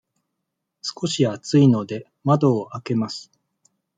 少し暑いので、窓を開けます。